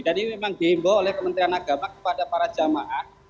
jadi memang gembo oleh kementerian agama kepada para jamaah